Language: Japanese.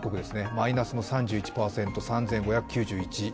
マイナスの３１％、３５９１。